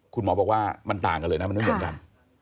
คุณหมอบอกว่ามันต่างกันเลยนะมันไม่เหมือนกัน